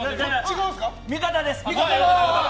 味方です。